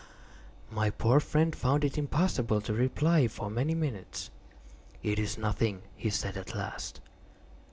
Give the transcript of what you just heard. My poor friend found it impossible to reply for many minutes. "It is nothing," he said, at last.